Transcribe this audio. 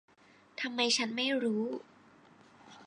ทำไมฉันก็ไม่รู้